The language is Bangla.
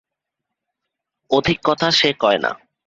অধিক কথা সে কয় না।